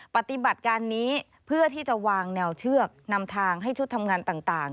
ปฏิบัติการนี้เพื่อที่จะวางแนวเชือกนำทางให้ชุดทำงานต่าง